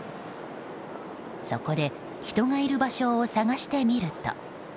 そこで人がいる場所を探してみると。